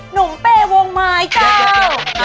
หนุ่มเปวงไม้เจ้า